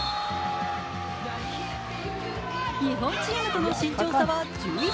日本チームとの身長差は１１ｃｍ。